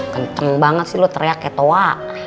kenteng banget sih lo teriak kayak toa